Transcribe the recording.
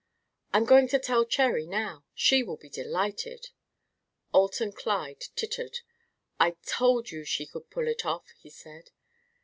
"I'm going to tell Cherry, now. She will be delighted." Alton Clyde tittered. "I told you she could pull it off," he said.